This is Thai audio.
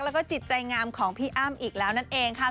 แล้วก็จิตใจงามของพี่อ้ำอีกแล้วนั่นเองค่ะ